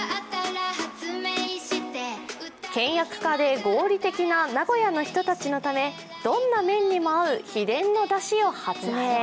倹約家で合理的な名古屋の人たちのためどんな麺にも合う秘伝のだしを発明。